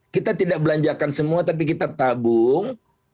kita tidak belanjakan semua tapi kita tabung